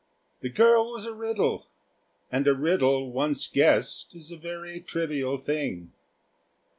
The girl was a riddle, and a riddle once guessed is a very trivial thing.